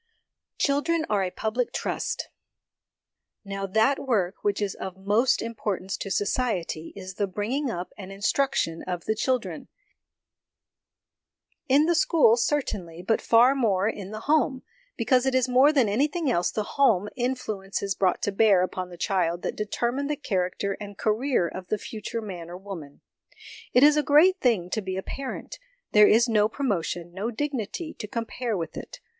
Children are a Public Trust. Now, that work which is of most importance to society is the bring ing up and instruction of the children in the school, certainly, but far more in the home, because it is more than anything else the home influences brought to bear upon the child that determine the character and career of the future man or woman. It is a great thing to be a parent : there is no promotion, no dignity, to compare with it.